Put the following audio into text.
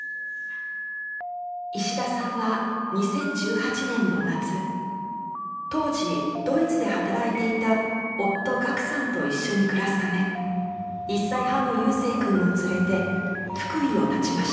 石田さんは２０１８年の夏当時ドイツで働いていた夫学さんと一緒に暮らすため１歳半の夕青くんを連れて福井を発ちました。